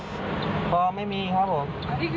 สิขอทุกวันเลยเนี่ย